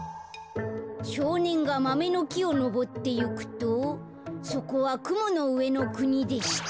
「しょうねんがマメのきをのぼっていくとそこはくものうえのくにでした」。